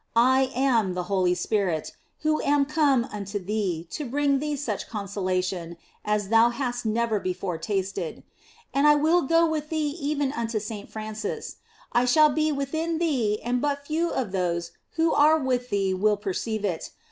I am the Holy Spirit, who am come unto thee to bring thee such consolation as thou hast never before tasted. And I will go with thee even unto Saint Francis ; I shall be within thee and but few of those who are with thee will perceive it.